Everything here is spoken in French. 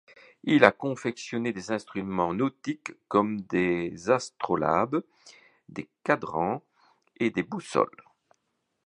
Il a confectionné des instruments nautiques, comme des astrolabes, des quadrants et des boussoles.